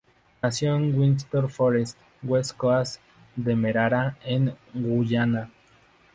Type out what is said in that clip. Nació en Windsor Forest, West Coast Demerara en Guyana.